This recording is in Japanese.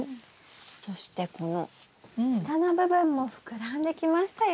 そしてこの下の部分も膨らんできましたよ。